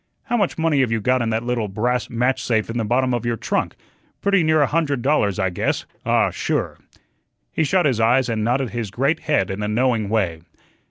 "How much money have you got in that little brass match safe in the bottom of your trunk? Pretty near a hundred dollars, I guess ah, sure." He shut his eyes and nodded his great head in a knowing way.